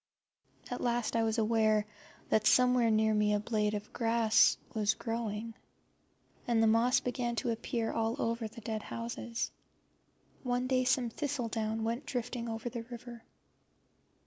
At last I was aware that somewhere near me a blade of grass was growing, and the moss began to appear all over the dead houses. One day some thistledown went drifting over the river.